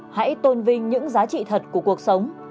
hãy tôn vinh những giá trị thật của cuộc sống